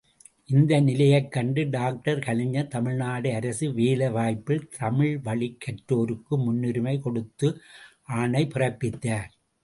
இந்த நிலையைக் கண்டு டாக்டர் கலைஞர் தமிழ்நாடு அரசு வேலைவாய்ப்பில் தமிழ்வழிக் கற்றோருக்கு முன்னுரிமை கொடுத்து ஆணை பிறப்பித்தார்.